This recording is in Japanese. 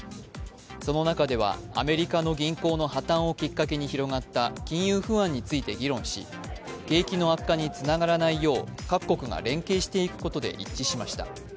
その中ではアメリカの銀行の破綻をきっかけに広がった金融不安について議論し景気の悪化につながらないよう各国が連携していくことで一致しました。